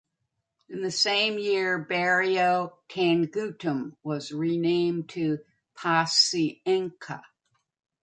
In the same year, barrio Taguimtim was renamed to Pacienca.